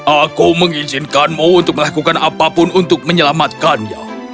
aku mengizinkanmu untuk melakukan apapun untuk menyelamatkannya